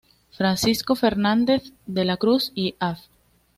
Francisco Fernández de la Cruz y Av.